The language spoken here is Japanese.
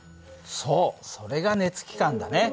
そうそれが熱機関だね。